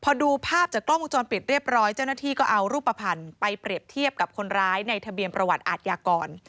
พอดูภาพจากกล้องวงจรปิดเรียบร้อยเจ้าหน้าที่ก็เอารูปภัณฑ์ไปเปรียบเทียบกับคนร้ายในทะเบียนประวัติอาทยากร